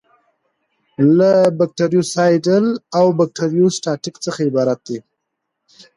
له بکټریوسایډل او بکټریوسټاټیک څخه عبارت دي.